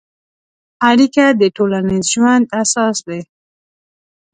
اړیکه د ټولنیز ژوند اساس دی.